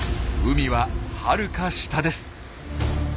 海ははるか下です。